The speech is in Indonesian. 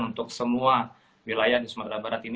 untuk semua wilayah di sumatera barat ini